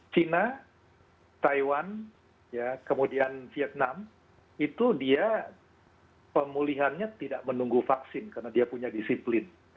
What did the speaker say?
china taiwan kemudian vietnam itu dia pemulihannya tidak menunggu vaksin karena dia punya disiplin